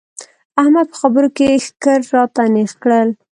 احمد په خبرو کې ښکر راته نېغ کړل.